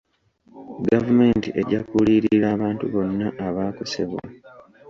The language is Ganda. Gavumenti ejja kuliyirira abantu bonna abaakosebwa.